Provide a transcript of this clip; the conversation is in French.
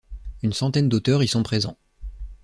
Une centaine d'auteurs y sont présents.